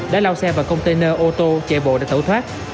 đã lao xe vào container ô tô chạy bộ để tẩu thoát